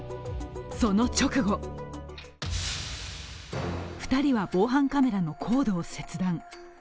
その直後、２人は防犯カメラのコードを切断。